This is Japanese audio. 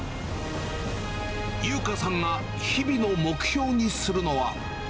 優花さんが日々の目標にするのは。